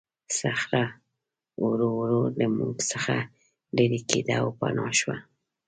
صخره ورو ورو له موږ څخه لیرې کېده او پناه شوه.